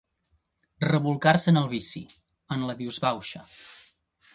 Rebolcar-se en el vici, en la disbauxa.